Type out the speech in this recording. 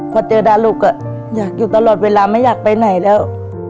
พอเจอดารกอยากอยู่ตลอดเวลาไม่อยากไปไหนแล้ว